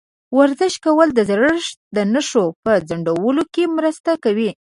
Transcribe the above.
ورزش کول د زړښت د نښو په ځنډولو کې مرسته کوي.